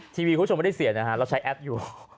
ทีวีคุณผู้ชมไม่ได้เสียนะฮะเราใช้แอปอยู่